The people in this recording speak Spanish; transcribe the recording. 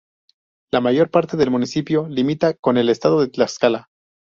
La mayor parte del municipio limita con el estado de Tlaxcala.